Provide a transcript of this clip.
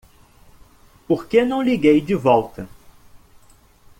Por que não liguei de volta?